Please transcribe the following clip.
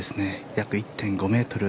約１．５ｍ。